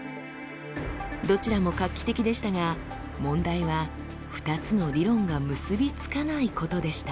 どちらも画期的でしたが問題は２つの理論が結び付かないことでした。